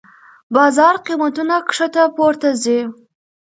بازار قېمتونه کښته پورته ځي.